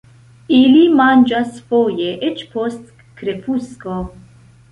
Ili manĝas foje eĉ post krepusko.